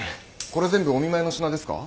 これ全部お見舞いの品ですか？